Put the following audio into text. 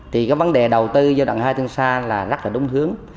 thì cái vấn đề đầu tư giai đoạn hai tiêm xa là rất là đúng hướng